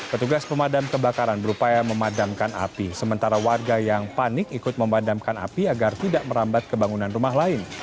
petugas pemadam kebakaran berupaya memadamkan api sementara warga yang panik ikut memadamkan api agar tidak merambat kebangunan rumah lain